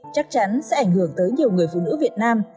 chắc chắn sẽ ảnh hưởng tới nhiều người phụ nữ việt nam